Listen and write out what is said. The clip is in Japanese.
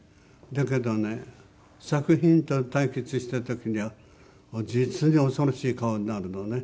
だけどね作品と対決した時には実に恐ろしい顔になるのね。